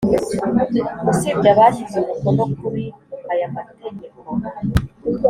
Usibye abashyize umukono kuri aya mategeko